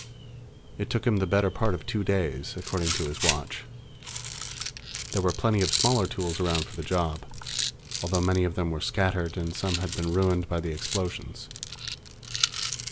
It took him the better part of two days, according to his watch. There were plenty of smaller tools around for the job, although many of them were scattered and some had been ruined by the explosions.